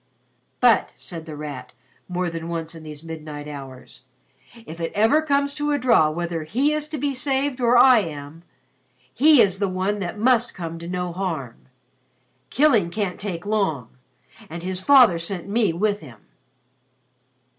"But," said The Rat more than once in these midnight hours, "if it ever comes to a draw whether he is to be saved or I am, he is the one that must come to no harm. Killing can't take long and his father sent me with him."